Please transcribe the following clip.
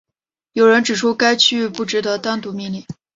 有人指出该区域不值得单独命名。